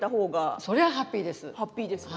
そりゃあハッピーです。